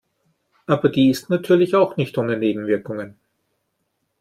Aber die ist natürlich auch nicht ohne Nebenwirkungen.